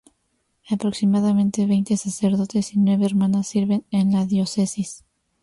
Aproximadamente veinte sacerdotes y nueve hermanas sirven en la diócesis.